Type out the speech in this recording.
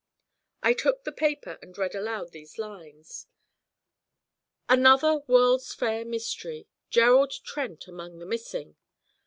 I took the paper and read aloud these lines: '"ANOTHER WORLD'S FAIR MYSTERY. GERALD TRENT AMONG THE MISSING.